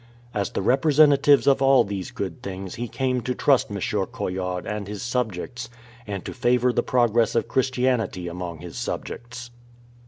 As the representatives of all these good things he came to trust M. Coillard and his colleagues, and to favour the progress of Christianity among his subjects.